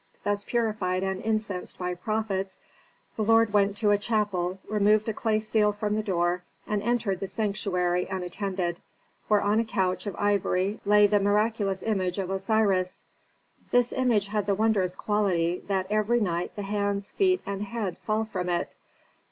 Thus purified and incensed by prophets, the lord went to a chapel, removed a clay seal from the door and entered the sanctuary unattended, where on a couch of ivory lay the miraculous image of Osiris. This image had the wondrous quality that every night the hands, feet and head fall from it.